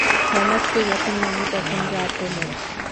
সমাজকে যখন মানি তখন জাতও মানি।